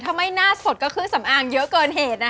ถ้าไม่หน้าสดก็เครื่องสำอางเยอะเกินเหตุนะ